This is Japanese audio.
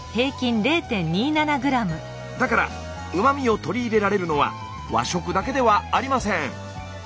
だからうま味を取り入れられるのは和食だけではありません。